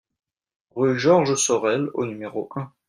Rue Georges Sorel au numéro un